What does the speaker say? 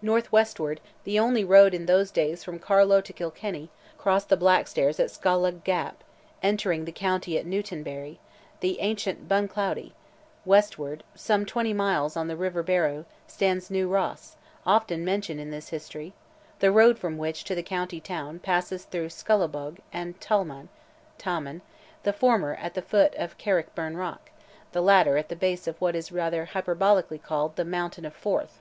North westward, the only road in those days from Carlow and Kilkenny, crossed the Blackstairs at Scollagh gap, entering the county at Newtownbarry, the ancient Bunclody; westward, some twenty miles, on the river Barrow, stands New Ross, often mentioned in this history, the road from which to the county town passes through Scullabogue and Taghmon (Ta'mun), the former at the foot of Carrickbyrne rock, the latter at the base of what is rather hyperbolically called "the mountain of Forth."